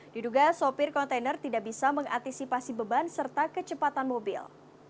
diduga sopir kontainer tidak bisa mengantisipasi beban serta kecepatan mobil